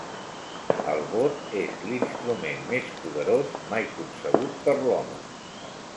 El vot és l'instrument més poderós mai concebut per l'home.